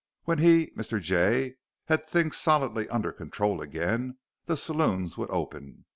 When he, Mr. Jay, had things solidly under control again, the saloons would open.